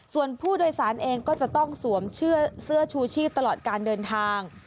ส่วนผู้โดยสารเองก็จะต้องสวมเสื้อชูชีพตลอดการเดินทาง